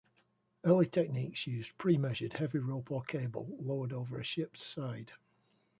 Early techniques used pre-measured heavy rope or cable lowered over a ship's side.